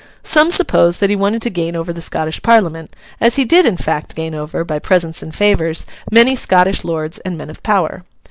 Some suppose that he wanted to gain over the Scottish Parliament, as he did in fact gain over, by presents and favours, many Scottish lords and men of power.